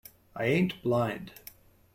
I ain't blind.